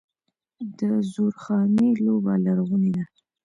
د زورخانې لوبه لرغونې ده.